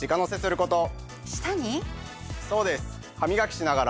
そうです。